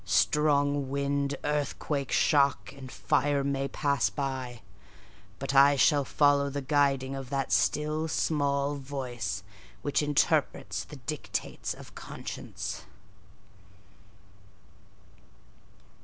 Strong wind, earthquake shock, and fire may pass by: but I shall follow the guiding of that still small voice which interprets the dictates of conscience.